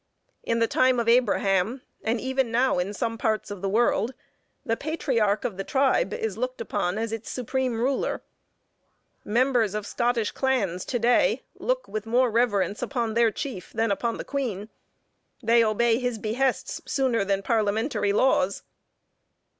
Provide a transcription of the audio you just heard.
In the time of Abraham, and even now in some parts of the world the Patriarch of the tribe is looked upon as its supreme ruler. Members of Scottish clans to day, look with more reverence upon their chief, than upon the Queen: they obey his behests sooner than parliamentary laws.